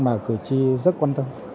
mà cử tri rất quan tâm